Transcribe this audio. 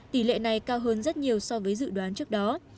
tỷ lệ này cao hơn rất nhiều so với dự đoán trước đó